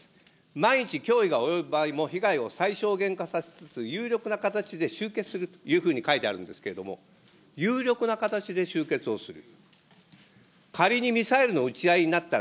万一脅威が及ぶ場合も被害を最小限化させつつ、有力な形で集結するというふうに書いてあるんですけれども、有力な形で終結をする。